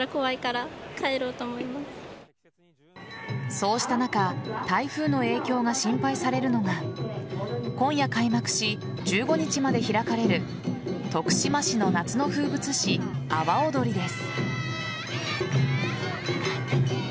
そうした中台風の影響が心配されるのが今夜開幕し、１５日まで開かれる徳島市の夏の風物詩阿波おどりです。